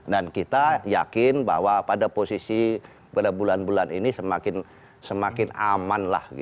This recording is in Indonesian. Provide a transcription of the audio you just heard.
dan kita yakin bahwa pada posisi pada bulan bulan ini semakin aman lah